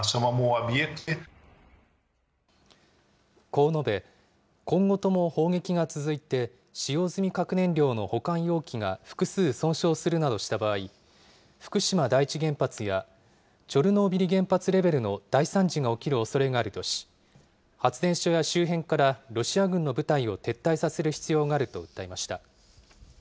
こう述べ、今後とも砲撃が続いて、使用済み核燃料の保管容器が複数損傷するなどした場合、福島第一原発や、チョルノービリ原発レベルの大惨事が起きるおそれがあるとし、発電所や周辺から、ロシア軍の部隊を撤退させる必要があると訴えました。